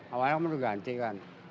awalnya harus diganti kan